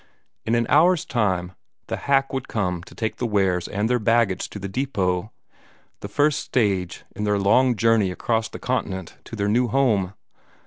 In an hour's time the hack would come to take the Wares and their baggage to the depot, the first stage in their long journey across the continent to their new home.